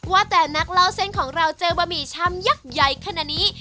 ว่าแต่นักเล่าเส้นของเราเจอบะหมี่ชามยักษ์ใหญ่ขนาดนี้